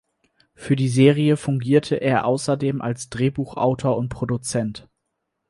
Für die Serie fungierte er außerdem als Drehbuchautor und Produzent.